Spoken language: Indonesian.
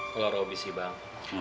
kalau robby sih bang